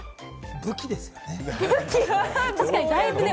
武器ですかね？